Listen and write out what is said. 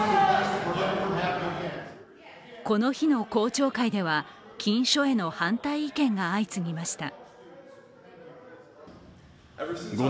この日の公聴会では禁書への反対意見が相次ぎました。